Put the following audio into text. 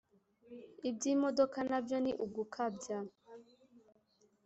Iby’imodoka nabyo ni ugukabya